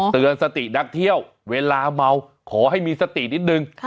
เตือนสตินักเที่ยวเวลาเมาขอให้มีสตินิดนึง